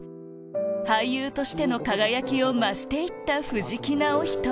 俳優としての輝きを増して行った藤木直人